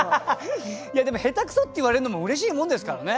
でも下手くそって言われるのもうれしいもんですからね。